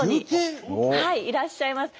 いらっしゃいます。